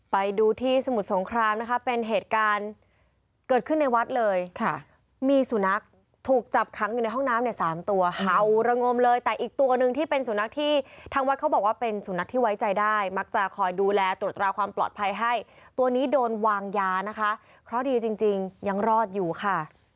ไปดูที่สมุทรสงครามนะคะเป็นเหตุการณ์เกิดขึ้นในวัดเลยค่ะมีสุนัขถูกจับขังอยู่ในห้องน้ำเนี่ยสามตัวเห่าระงมเลยแต่อีกตัวหนึ่งที่เป็นสุนัขที่ทางวัดเขาบอกว่าเป็นสุนัขที่ไว้ใจได้มักจะคอยดูแลตรวจตราความปลอดภัยให้ตัวนี้โดนวางยานะคะเพราะดีจริงจริงยังรอดอยู่ค่ะ